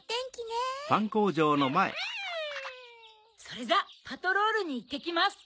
それじゃパトロールにいってきます。